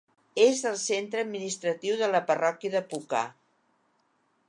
És el centre administratiu de la parròquia de Puka.